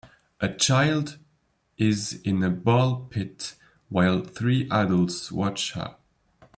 A child is in a ball pit while three adults watch her